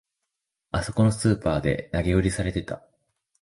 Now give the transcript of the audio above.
あそこのスーパーで投げ売りされてた